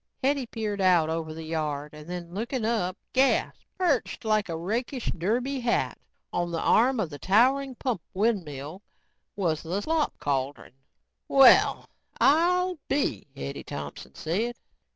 Hetty peered out over the yard and then looking up, gasped. Perched like a rakish derby hat on the arm of the towering pump windmill was the slop cauldron. "Well I'll be...." Hetty Thompson said.